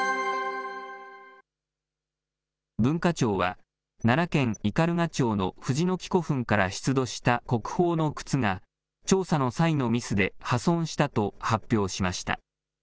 文化庁は、奈良県斑鳩町の藤ノ木古墳から出土した国宝のくつが、調査の際のミスで破損したと発表しました。